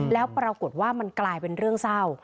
แล้วปรากฏว่ามันกลายเป็นเรื่องเศร้า